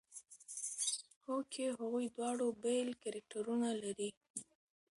هوکې هغوی دواړه بېل کرکټرونه لري.